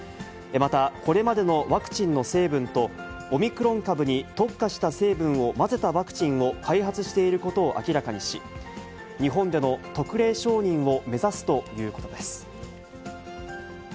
また、これまでのワクチンの成分と、オミクロン株に特化した成分を混ぜたワクチンを開発していることを明らかにし、日本での特例承認を目指すということです。